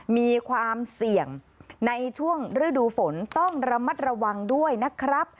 มีความเสี่ยงในช่วงฤดูฝนต้องระมัดระวังด้วยนะครับ